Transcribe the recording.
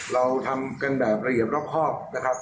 เราทำกันแบบละเอียดรอบครอบนะครับ